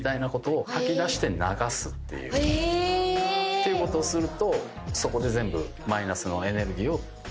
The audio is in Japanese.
ていうことをするとそこで全部。